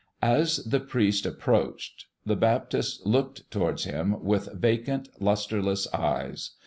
As the priest approached, the Baptist looked towards him with vacant, lustreless eyes.